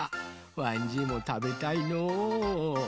わんじいもたべたいの。